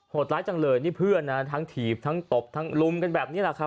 ร้ายจังเลยนี่เพื่อนนะทั้งถีบทั้งตบทั้งลุมกันแบบนี้แหละครับ